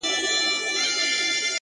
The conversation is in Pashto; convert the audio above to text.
د شپې تیاره د شیانو شکل بدلوي.